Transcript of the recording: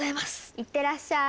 いってらっしゃい！